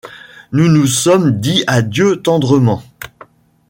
Nous nous sommes dit adieu tendrement.